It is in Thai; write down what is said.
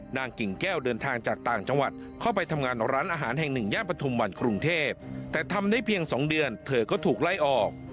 กิ่งแก้วเดินทางจากต่างจังหวัดเข้าไปทำงานร้านอาหารแห่งหนึ่งย่านปฐุมวันกรุงเทพแต่ทำได้เพียง๒เดือนเธอก็ถูกไล่ออก